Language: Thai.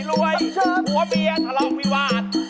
ผัวเมียเขารักกันมาก